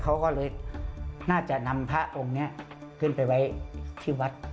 เขาก็เลยน่าจะนำพระองค์นี้ขึ้นไปไว้ที่วัด